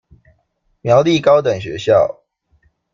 苗栗高等學校